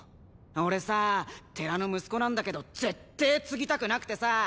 俺さ寺の息子なんだけどぜってえ継ぎたくなくてさ。